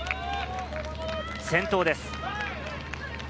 先頭です。